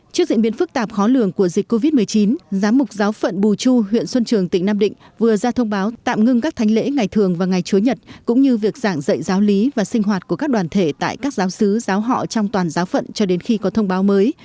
trước diễn biến phức tạp khó lường của dịch covid một mươi chín giám mục giáo phận bù chu huyện xuân trường tỉnh nam định vừa ra thông báo tạm ngưng các thanh lễ ngày thường và ngày chúa nhật cũng như việc giảng dạy giáo lý và sinh hoạt của các đoàn thể tại các giáo sứ giáo họ trong toàn giáo phận cho đến khi có thông báo mới